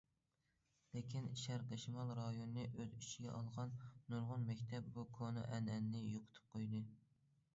لېكىن شەرقىي شىمال رايونىنى ئۆز ئىچىگە ئالغان نۇرغۇن مەكتەپ بۇ كونا ئەنئەنىنى يوقىتىپ قويدى.